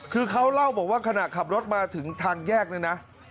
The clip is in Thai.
คือเขาเล่าบอกว่าขณะขับรถมาถึงทางแยกเนี่ยนะ